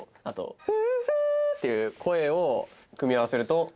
あとフーフーっていう声を組み合わせると。